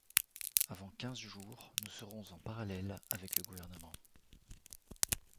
Avant quinze jours nous serons en parallèle avec le gouvernement.